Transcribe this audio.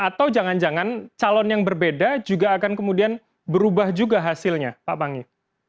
atau jangan jangan calon yang berbeda juga akan kemudian berubah juga hasilnya pak pangi